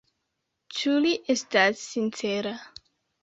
Ĉu li estas sincera?